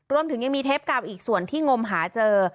รวมถึงยังมีเทปเก่าอีกส่วนที่งมหาเจอ